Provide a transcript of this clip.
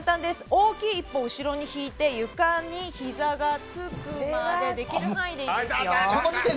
大きい１歩、後ろに引いて床にひざがつくまでできる範囲でいいですよ。